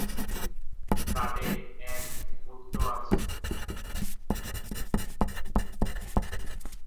তাদের এক পুত্র আছে।